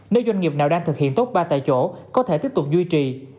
nếu doanh nghiệp nào đang thực hiện tốt ba tại chỗ có thể tiếp tục duy trì